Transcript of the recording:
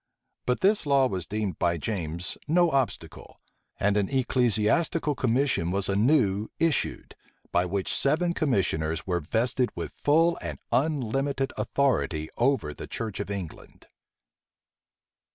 But this law was deemed by James no obstacle; and an ecclesiastical commission was anew issued, by which seven commissioners[*] were vested with full and unlimited authority over the church of England.